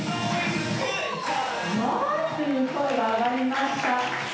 「うわっ！」という声が上がりました。